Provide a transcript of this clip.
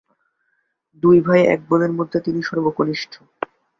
সংস্থার সংখ্যালঘু গোষ্ঠীগুলি, বিশেষত কুর্দি সম্প্রদায় সমালোচনা করেছে।